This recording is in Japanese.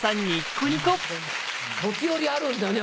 時折あるんだよね